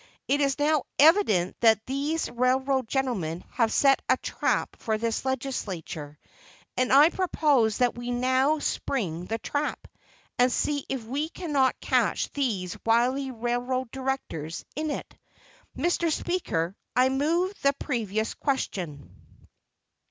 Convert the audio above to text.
It is now evident that these railroad gentlemen have set a trap for this legislature; and I propose that we now spring the trap, and see if we cannot catch these wily railroad directors in it. Mr. Speaker, I move the previous question.